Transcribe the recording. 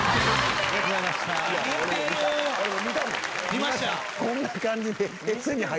見ました？